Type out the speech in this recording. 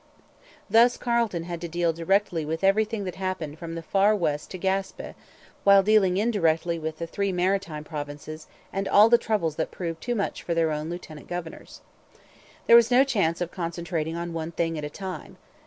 Thus Carleton had to deal directly with everything that happened from the far West to Gaspe, while dealing indirectly with the three maritime provinces and all the troubles that proved too much for their own lieutenant governors. There was no chance of concentrating on one thing at a time.